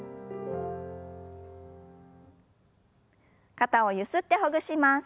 肩をゆすってほぐします。